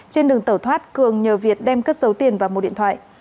trên đường tẩu thoát cường nhờ việt đem cất dấu tiền và một điện thoại